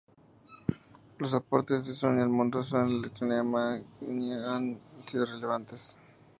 Los aportes de Sony al mundo de la electrónica han sido relevantes.